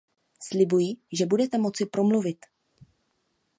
Slibuji, že budete moci promluvit.